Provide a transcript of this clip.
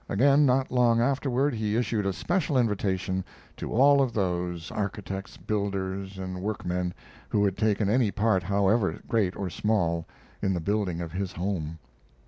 Again, not long afterward, he issued a special invitation to all of those architects, builders, and workmen who had taken any part, however great or small, in the building of his home.